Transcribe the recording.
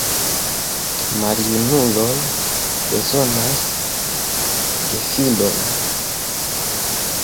Maljunuloj bezonas gefilojn.